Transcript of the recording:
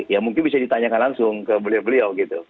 ya mungkin bisa ditanyakan langsung ke beliau beliau gitu